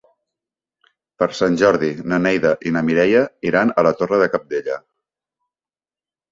Per Sant Jordi na Neida i na Mireia iran a la Torre de Cabdella.